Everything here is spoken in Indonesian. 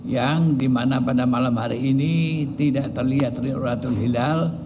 yang dimana pada malam hari ini tidak terlihat riuratul hilal